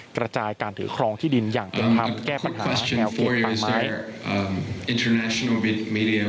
กระจายการถือครองที่ดินอย่างเต็มธรรม